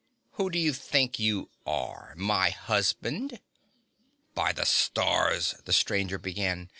"Who do you think you are my husband?" "By the Stars " the stranger began.